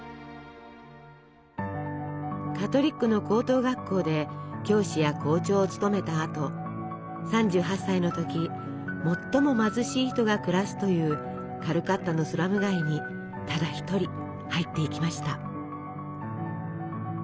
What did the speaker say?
カトリックの高等学校で教師や校長を務めたあと３８歳の時最も貧しい人が暮らすというカルカッタのスラム街にただ１人入っていきました。